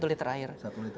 dari satu liter air